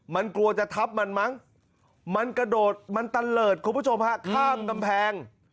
มันกลัวจะทับมันมั้งมันกระโดดมันตะเลิศคุณผู้ชมฮะข้ามกำแพง